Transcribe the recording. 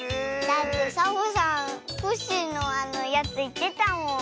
だってサボさんコッシーのやついってたもん。